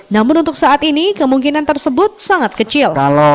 namun untuk saat ini kemungkinan tersebut sangat kecil